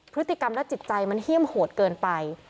พฤติกรรมและจิตใจมันเฮี่ยมโหดเกินไป